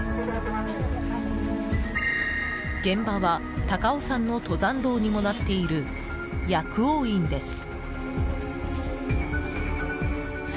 現場は高尾山の登山道にもなっている薬王院です。